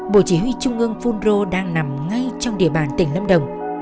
bộ chỉ huy trung ương phun rô đang nằm ngay trong địa bàn tỉnh lâm đồng